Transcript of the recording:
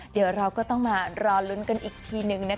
เดี๋ยวเราก็ต้องมารอลุ้นกันอีกทีนึงนะคะ